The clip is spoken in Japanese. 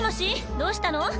どうしたの？」